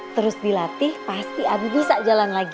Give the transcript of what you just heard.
terus dilatih pasti abi bisa jalan lagi